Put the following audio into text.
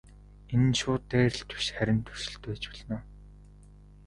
Энэ нь шууд дайралт биш харин туршилт байж болно.